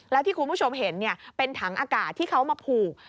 แล้วที่คุณผู้ชมเห็นเป็นถังอากาศที่เขามาผูก